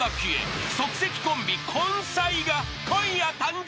［即席コンビコンサイが今夜誕生］